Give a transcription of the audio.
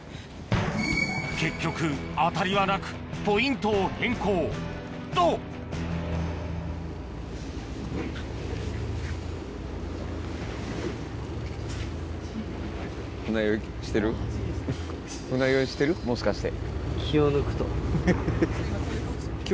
結局当たりはなくポイントを変更ともしかして。